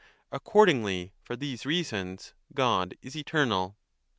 Accordingly for these reasons God is eternal.